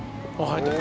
入った！